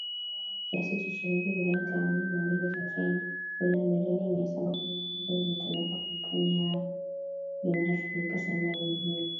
Kiasi cha shilingi bilioni themanini na mbili za Kenya (dola milioni mia saba kumi na moja) zilitolewa kwa makampuni hayo Jumatatu kulipa sehemu ya deni hilo